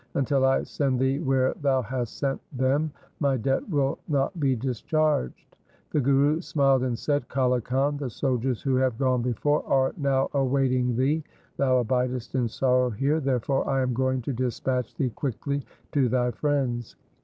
Until I send thee where thou hast sent them, my debt will not be discharged.' The Guru smiled and said, ' Kale Khan, the soldiers who have gone before are now awaiting thee. Thou abidest in sorrow here, therefore I am going to dispatch thee quickly to thy friends.'